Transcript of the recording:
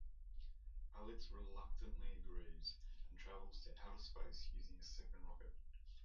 Alex reluctantly agrees and travels to outer space using a second rocket.